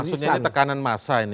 maksudnya tekanan masa ini